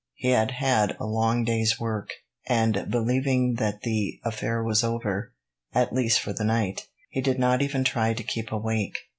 He had had a long day's work, and believing that the affair was over, at least for the night, he did not even try to keep awake.